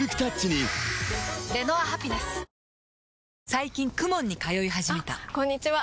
最近 ＫＵＭＯＮ に通い始めたあこんにちは！